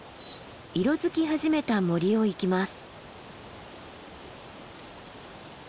色づき始めた森を行きます。